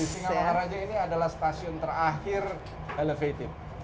di sisi ngamangaraja ini adalah stasiun terakhir elevatif